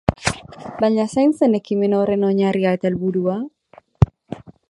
Baina zein zen ekimen horren oinarria eta helburua?